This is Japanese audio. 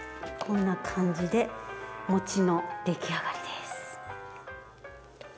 こんな感じで餅の出来上がりです。